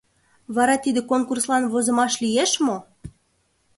Вара тиде конкурслан возымаш лиеш мо?